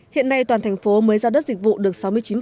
hiện nay toàn thành phố mới giao đất dịch vụ được sáu mươi chín